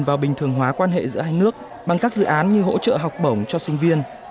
vào bình thường hóa quan hệ giữa hai nước bằng các dự án như hỗ trợ học bổng cho sinh viên